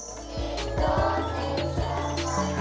terima kasih pak